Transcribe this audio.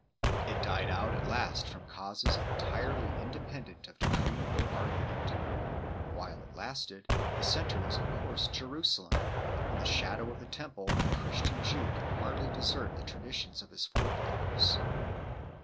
It died out at last from causes entirely independent of decree or argument. While it lasted, its centre was of course Je rusalem ; in the shadow of the Temple the Christian Jew could hardly desert the traditions of his forefathers.